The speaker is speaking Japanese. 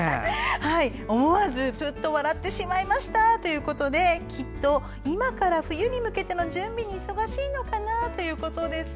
思わずぷっと笑ってしまいましたということできっと、今から冬に向けての準備に忙しいのかなということですよ。